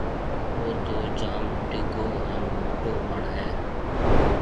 او تو جوم ڊگھو هانَ موٽو وڻ هيَ۔